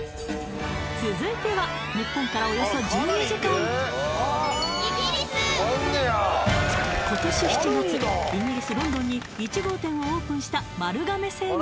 続いては日本からおよそ１２時間今年７月イギリス・ロンドンに１号店をオープンした丸亀製麺